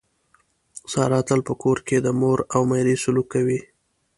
ساره تل په کور کې د مور او میرې سلوک کوي.